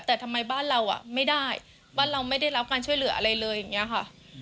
แต่ทำไมบ้านเราอ่ะไม่ได้บ้านเราไม่ได้รับการช่วยเหลืออะไรเลยอย่างนี้ค่ะ